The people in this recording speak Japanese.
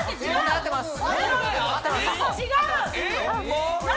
合ってます。